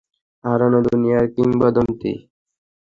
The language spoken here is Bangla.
হারানো দুনিয়ার কিংবদন্তী!